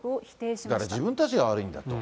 だから、自分たちが悪いんだと。